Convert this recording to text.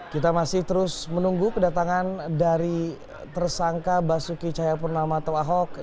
kita masih terus menunggu kedatangan dari tersangka basuki cahayapurnama atau ahok